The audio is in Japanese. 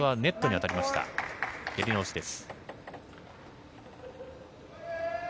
やり直しです。